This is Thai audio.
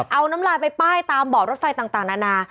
เอาน้ำลายไปป้ายตามบ่อรถไฟต่างนานา